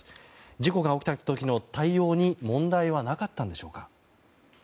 事故が起きた時の対応に問題はなかったのでしょうか。